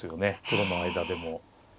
プロの間でも。